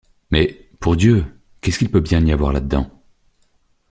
Mais, pour Dieu, qu’est-ce qu’il peut bien y avoir là dedans!